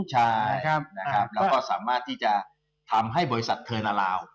ใช่แล้วก็สามารถที่จะทำให้ไบรนด์เทอร์นาลาว